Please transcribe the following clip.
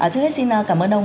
trước hết xin cảm ơn ông